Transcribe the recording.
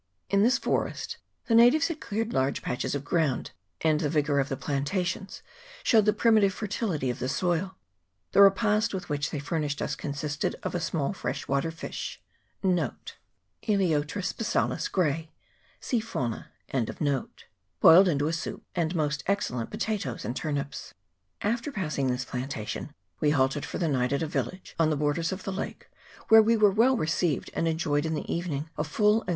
In this forest the natives had cleared large patches of ground, and the vigour of the plantations showed the primitive fertility of the soil. The repast with which they furnished us consisted of a small fresh water fish 1 boiled into a soup, and most excellent potatoes and turnips. After passing this plantation we halted for the night at a village on the borders of the lake, where we were well received, and enjoyed in the evening a full and.